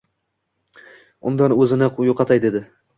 Undan o‘zini yo‘qotay dedi.